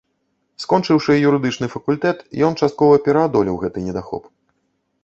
Скончыўшы юрыдычны факультэт, ён часткова пераадолеў гэты недахоп.